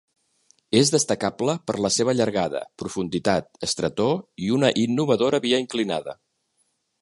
És destacable per la seva llargada, profunditat, estretor i una innovadora via inclinada.